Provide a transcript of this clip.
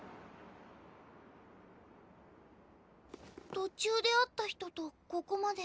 途中で会った人とここまで。